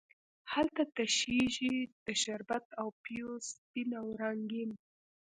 هلته تشیږې د شربت او پېو سپین او رنګین،